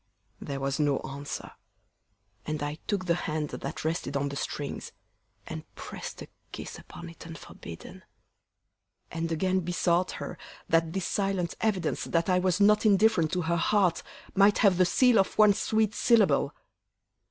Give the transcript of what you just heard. There was no answer, and I took the hand That rested on the strings, and press'd a kiss Upon it unforbidden and again Besought her, that this silent evidence That I was not indifferent to her heart, Might have the seal of one sweet syllable.